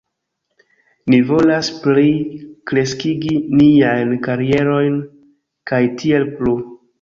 Ni volas pli kreskigi niajn karierojn kaj tiel plu